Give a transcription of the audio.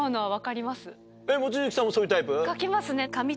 望月さんもそういうタイプ？書きますね。